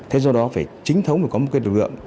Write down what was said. thế do đó phải chính thống để có một quy định lực lượng